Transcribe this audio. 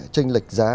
tranh lệch giá